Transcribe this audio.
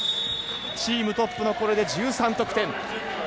チームトップがこれで１３得点。